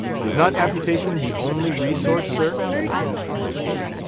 Is not amputation the only resource, sir?"